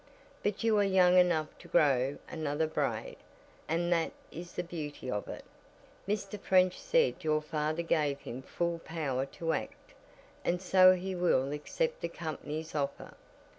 But you are young enough to grow another braid, and that is the beauty of it. Mr. French said your father gave him full power to act, and so he will accept the company's offer.